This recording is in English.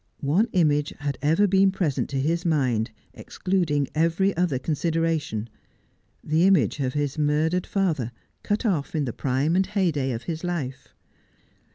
One image had ever been present to his mind, excluding every other consideration — the image of his murdered father, cut off in the prime and heyday of life.